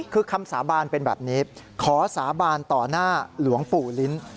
คือคำสาบานเป็นแบบนี้ขอสาบานต่อหน้าหลวงปู่ลิ้น